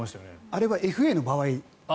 あれはＦＡの場合。